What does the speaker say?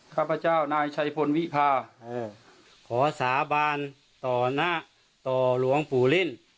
ข้าพเจ้านายชัยพลวิพาขอสาบานต่อหน้าต่อหลวงปู่เล่น